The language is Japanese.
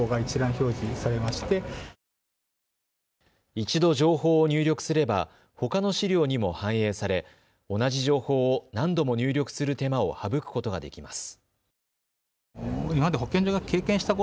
一度情報を入力すれば、ほかの資料にも反映され同じ情報を何度も入力する手間を省くことができます。